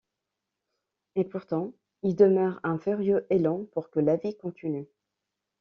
Et pourtant, il demeure un furieux élan pour que la vie continue.